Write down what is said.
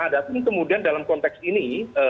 ada pun kemudian dalam konteks ini